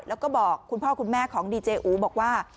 แล้วก็บอกคุณพ่อคุณแม่ของดีเจอูบอกว่า